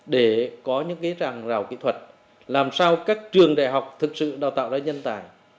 để có những ràng rào kỹ thuật làm sao các trường đại học thực sự đào tạo ra nhân tài